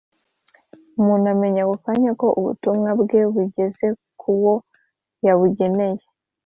umuntu amenya ako kanya ko ubutumwa bwe bugeze ku wo yabugeneye.